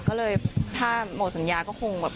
ก็เลยถ้าหมดสัญญาก็คงแบบ